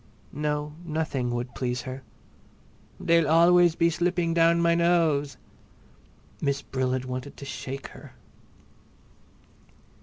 No, nothing would please her. "They'll always be sliding down my nose!" Miss Brill had wanted to shake her.